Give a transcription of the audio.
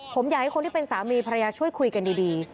ผมอยากให้คนที่เป็นสามีภรรยาช่วยคุยกันดี